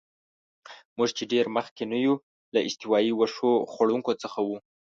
موږ چې ډېر مخکې نه یو، له استوایي وښو خوړونکو څخه وو.